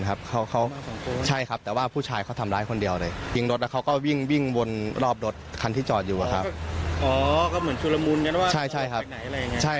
ก็มีระแวงบ้างครับแต่ว่าปกติคือเค้าเดินผ่านไปผ่านมา